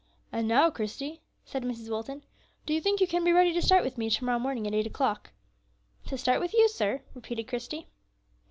"And now, Christie," said Mr. Wilton, "do you think you can be ready to start with me to morrow morning at eight o'clock?" "To start with you, sir?" repeated Christie.